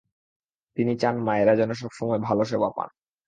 তিনি চান মায়েরা যেন সবচেয়ে ভালো সেবা পান।